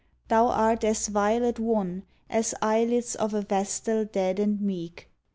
Thou art as violet wan As eyelids of a vestal dead and meek.